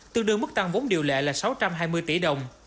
tương đương mức tăng vốn điều lệ là sáu trăm hai mươi tỷ đồng